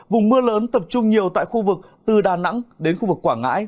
vùng mưa lớn tập trung nhiều tại khu vực từ đà nẵng đến khu vực quảng ngãi